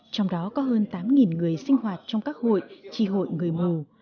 trong đó có hơn tám người sinh hoạt trong các hội tri hội người mù